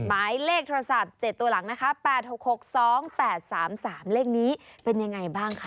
หมายเลขโทรศัพท์เจ็บตัวหลัง๘๖๖๒๘๓๓เลขนี้เป็นอย่างไรบ้างคะ